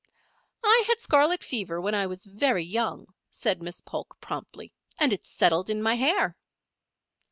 "I had scarlet fever when I was very young," said Miss Polk, promptly, "and it settled in my hair."